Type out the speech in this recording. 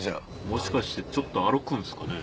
もしかしてちょっと歩くんですかね。